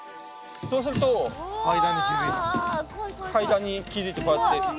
そうすると階段に気付いてこうやって。